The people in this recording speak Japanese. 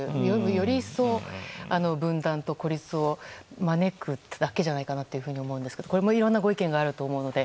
より一層、分断と孤立を招くだけじゃないかなと思うんですけどこれもいろんなご意見があると思うので